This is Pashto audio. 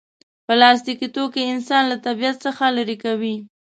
پلاستيکي توکي انسان له طبیعت څخه لرې کوي.